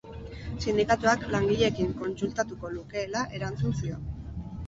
Sindikatuak langileekin kontsultatuko lukeela erantzun zion.